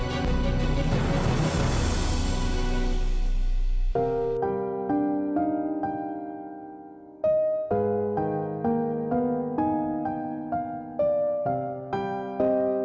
kamu juga papa sayang